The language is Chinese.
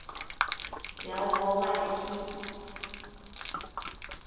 辽国外戚。